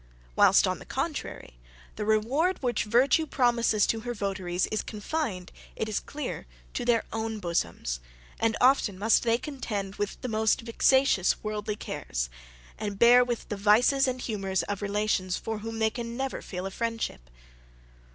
Whilst, on the contrary, the reward which virtue promises to her votaries is confined, it is clear, to their own bosoms; and often must they contend with the most vexatious worldly cares, and bear with the vices and humours of relations for whom they can never feel a friendship.